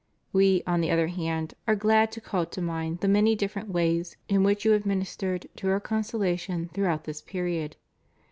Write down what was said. We, on the other hand, are glad to call to mind the many different ways in which you have ministered to Our consolation throughout this period.